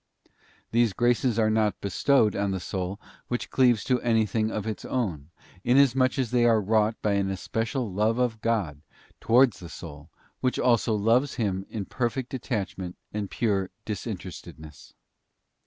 These graces are not bestowed i os ee ~ INFUSED KNOWLEDGE OF CREATURES. 179 on the soul which cleaves to anything of its own, inasmuch as they are wrought by an especial Love of God towards the soul, which also loves Him in perfect detachment and pure disinterestedness.